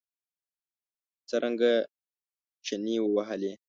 څرنګه چنې ووهلې.